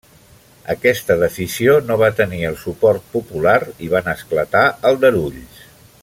Aquesta decisió no va tenir el suport popular i van esclatar aldarulls.